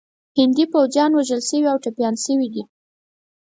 هندي پوځیان وژل شوي او ټپیان شوي دي.